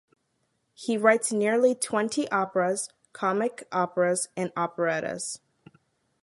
He writes nearly twenty operas, comic-operas and operettas.